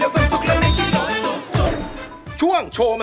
บันดาลงภารกรรม